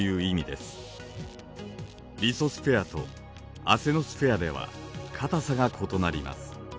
リソスフェアとアセノスフェアでは固さが異なります。